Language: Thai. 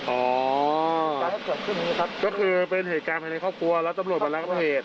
อ๋อกลายให้เกิดขึ้นนี้ครับก็คือเป็นเหตุการณ์ภายในครอบครัวแล้วตำรวจบันแลกกับเหตุ